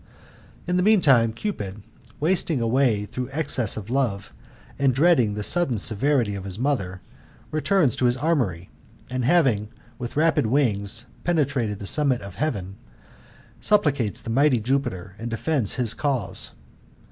In the meantime, Cupid, wasting away through excess of love, and dreading the sudden severity of his mother, returns to his armoury, and having with rapid wings penetrated the summit of heaven, supplicates the mighty Jupiter, and defends his cause.